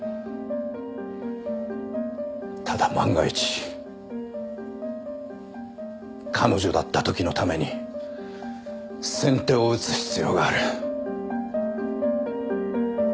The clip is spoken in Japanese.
ただ万が一彼女だった時のために先手を打つ必要がある。